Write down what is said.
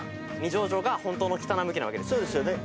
そうですよね。